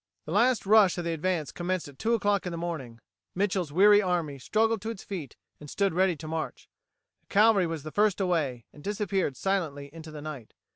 The last rush of the advance commenced at two o'clock in the morning. Mitchel's weary army struggled to its feet, and stood ready to march. The cavalry was the first away, and disappeared silently into the night.